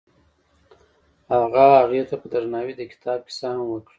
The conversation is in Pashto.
هغه هغې ته په درناوي د کتاب کیسه هم وکړه.